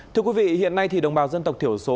thưa quý vị hiện nay thì đồng bào dân tộc thiểu số